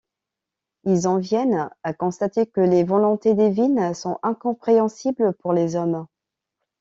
Ils en viennent à constater que les volontés divines sont incompréhensibles pour les hommes.